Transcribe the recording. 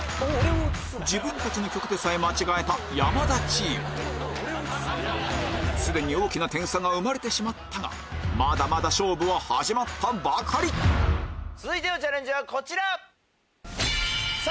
自分たちの曲でさえ間違えた山田チーム既に大きな点差が生まれてしまったがまだまだ勝負は始まったばかり続いてのチャレンジはこちら！